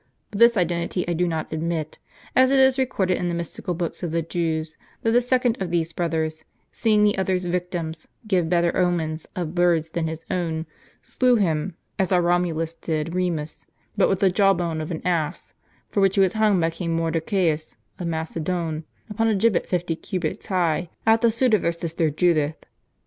But this identity I do not aduiit ; as it is recorded in the mystical books of the Jews, that the second of these brothers, seeing the other's victims give better omens of birds than his own, slew him, as our Komulus did Remus, but Avith the jaw bone of an ass; for which he was hung by King Mardochteus of Macedon, upon a gibbet fifty cubits high, at the suit of their sister Judith.